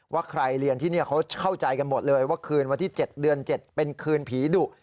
ว่าใครเรียนที่นี่เขาเข้าใจกันหมดเลยว่าคืนวันที่๗เดือน๗เป็นคืนผีดุ